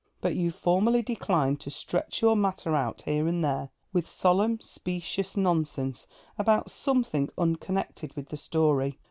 But you formally declined to stretch your matter out, here and there, 'with solemn specious nonsense about something unconnected with the story.'